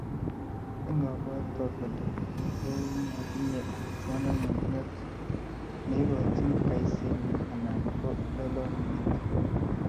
Kingobwatwa kole komakotinyei manongotiot neikochini kasenyi anan ko lolongyet